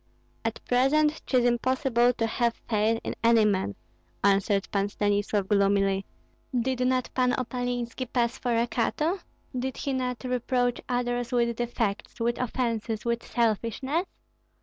"At present 'tis impossible to have faith in any man," answered Pan Stanislav, gloomily. "Did not Pan Opalinski pass for a Cato? Did he not reproach others with defects, with offences, with selfishness?